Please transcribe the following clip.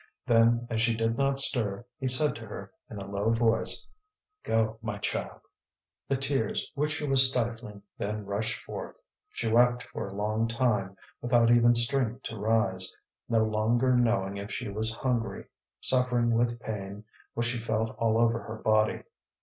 Then, as she did not stir, he said to her in a low voice: "Go, my child." The tears which she was stifling then rushed forth. She wept for a long time, without even strength to rise, no longer knowing if she was hungry, suffering with pain which she felt all over her body.